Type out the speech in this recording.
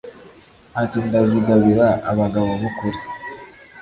ati: ndazigabira abagabo b’ukuri